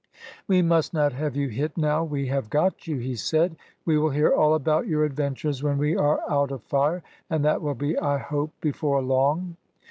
"We must not have you hit now we have got you," he said. "We will hear all about your adventures when we are out of fire, and that will be, I hope, before long."